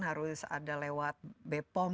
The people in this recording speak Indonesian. harus ada lewat bepom